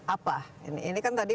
apa ini kan tadi